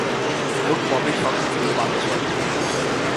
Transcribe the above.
মোট কপির সংখ্যা ছিল পাঁচশ।